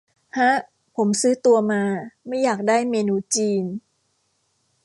ฮะ ผมซื้อตัว มา ไม่อยากได้เมนูจีน